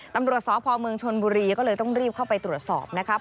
ตำรวจสพเมืองชนบุรีก็เลยต้องรีบเข้าไปตรวจสอบนะครับ